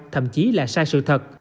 thậm chí là sai sự thật